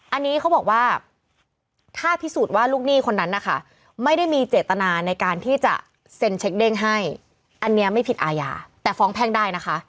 อันนี้เขาบอกว่าถ้าพิสูจน์ว่าลูกหนี้คนนั้นนะคะไม่ได้มีเจตนาในการที่จะเซ็นเช็คเด้งให้อันนี้ไม่ผิดอาญาแต่ฟ้องแพ่งได้นะคะ